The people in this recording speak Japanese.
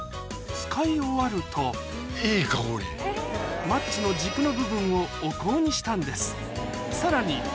使い終わるとマッチの軸の部分をお香にしたんですさらに